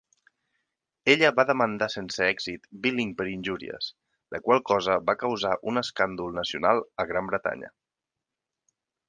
Ella va demandar sense èxit Billing per injúries, la qual cosa va causar un escàndol nacional a Gran Bretanya.